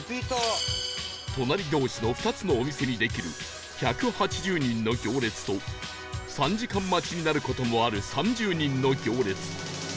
隣同士の２つのお店にできる１８０人の行列と３時間待ちになる事もある３０人の行列